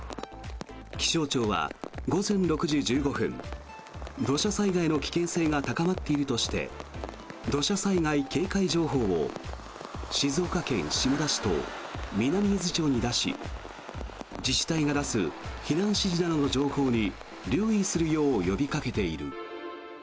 気象庁は午前６時１５分土砂災害の危険性が高まっているとして土砂災害警戒情報を静岡県下田市と南伊豆町に出し自治体が出す避難指示などの情報に留意するよう呼びかけている。